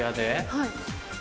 はい。